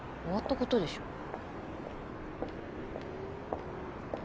終わったことでしょ。